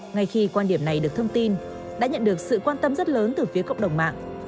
ngay khi quan điểm này được thông tin đã nhận được sự quan tâm rất lớn từ phía cộng đồng mạng